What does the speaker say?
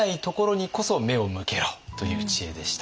という知恵でした。